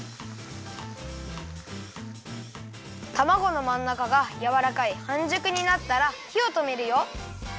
たまごのまんなかがやわらかいはんじゅくになったらひをとめるよ。